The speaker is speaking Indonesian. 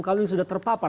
kalau sudah terpapar